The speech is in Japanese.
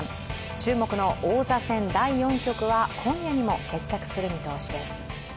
注目の王座戦第４局は、今夜にも決着する見通しです。